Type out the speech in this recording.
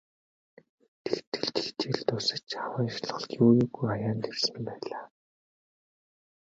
Тэгтэл ч хичээл дуусаж хаврын шалгалт юу юугүй хаяанд ирсэн байлаа.